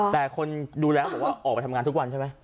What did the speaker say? แต่คนดูแลเขาบอกว่าออกไปทำงานทุกวันใช่ไหม